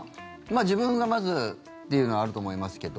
自分がまずっていうのはあると思いますけど。